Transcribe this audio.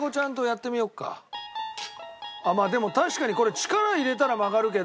まあでも確かにこれ力入れたら曲がるけど。